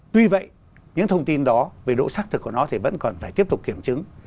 tuy vậy những thông tin đó về độ xác thực của nó thì vẫn còn phải tiếp tục kiểm chứng